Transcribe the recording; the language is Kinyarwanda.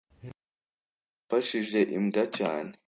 nkundiye yafashije imbwa cyane